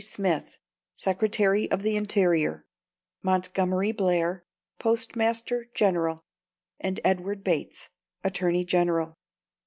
Smith, Secretary of the Interior; Montgomery Blair, Postmaster General; and Edward Bates, Attorney General.